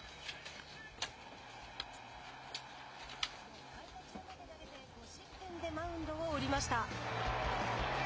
６回途中まで投げて５失点でマウンドを降りました。